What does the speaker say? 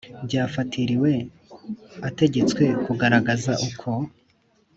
byafatiriwe ategetswe kugaragaza uko